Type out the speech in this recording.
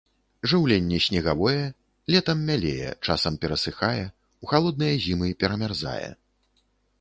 Жыўленне снегавое, летам мялее, часам перасыхае, у халодныя зімы перамярзае.